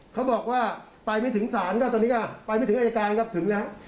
เขาบอกว่าไปไม่ถึงศาลก็ตอนนี้ไปไม่ถึงอายการครับถึงแล้ว